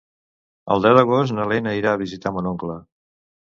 El deu d'agost na Lena irà a visitar mon oncle.